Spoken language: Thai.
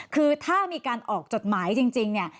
คือถ้ามีการออกจดหมายจริงเนี่ย